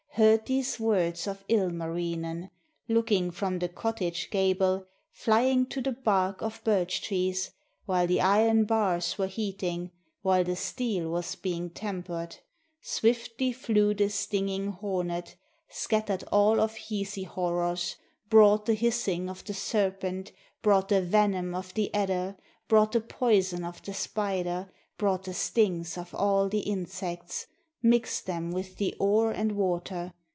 Heard these words of Ilmarinen, Looking from the cottage gable. Flying to the bark of birch trees, II RUSSIA While the iron bars were heating, While the steel was being tempered ; Swiftly flew the stinging hornet, Scattered all the Hisi horrors, Brought the hissing of the serpent, Brought the venom of the adder, Brought the poison of the spider, Brought the stings of all the insects. Mixed them with the ore and water.